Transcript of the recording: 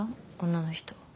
女の人。